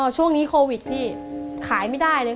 ช่วงนี้โควิดพี่ขายไม่ได้เลย